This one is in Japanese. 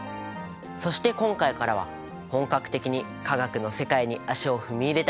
そして今回からは本格的に化学の世界に足を踏み入れたいと思います。